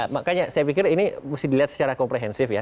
makanya saya pikir ini mesti dilihat secara komprehensif ya